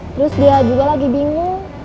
terus dia juga lagi bingung